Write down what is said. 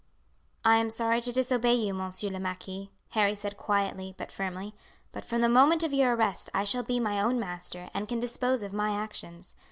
"I am sorry to disobey you, monsieur le marquis," Harry said quietly but firmly; "but from the moment of your arrest I shall be my own master and can dispose of my actions.